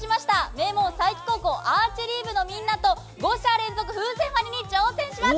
名門、佐伯高校アーチェリー部のメンバーに５射連続風船割りに挑戦します。